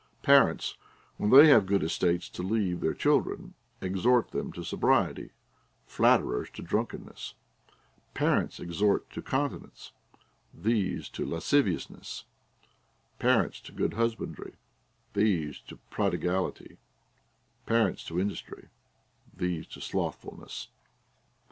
Parents, Λvhen they have good estates to leave their children, exhort them to sobriety, flatterers to drunkenness ; parents exhort to continence, these to lasciviousness ; parents to good husbandry, these to prodigality ; parents to industry, these to slothfulness.